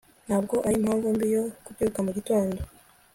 ntabwo arimpamvu mbi yo kubyuka mugitondo